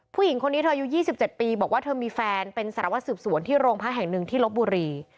ผู้หญิงคนนี้เธออายุ๒๗ปีบอกว่าเธอมีแฟนเป็นสารวัสสืบสวนที่โรงพักแห่งหนึ่งที่ลบบุรี